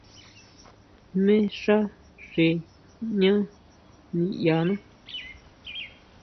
Jmé xá xi ñaʼán niʼyaná.